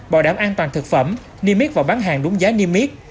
bảo đảm an toàn thực phẩm niêm miết vào bán hàng đúng giá niêm yết